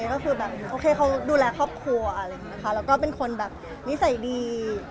โอเคเขาดูแลครอบครัวและเป็นคนนิสัยดี